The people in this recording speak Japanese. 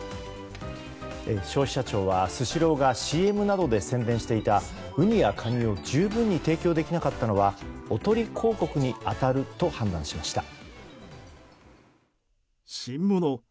消費者庁はスシローがＣＭなどで宣伝していたウニやカニを十分に提供できなかったのはおとり広告に当たると判断しました。